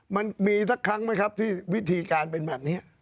มันมีสักครั้งไหมครับที่วิธีการเป็นแบบนี้